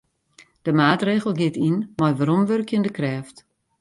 De maatregel giet yn mei weromwurkjende krêft.